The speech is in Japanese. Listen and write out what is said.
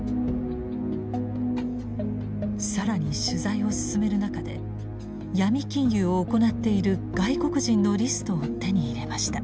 更に取材を進める中で闇金融を行っている外国人のリストを手に入れました。